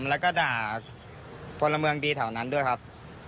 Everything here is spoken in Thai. แล้วก็ด่าผละมืองดีเทาะนันด้วยคับ